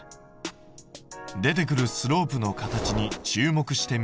出てくるスロープの形に注目して見てみよう。